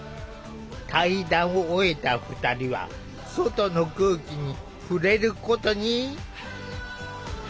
対談を終えた２人は外の空気に「ふれる」ことに。